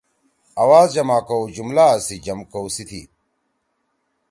آوا ز جمع کؤ، جملا سی جم کؤ سی تھی۔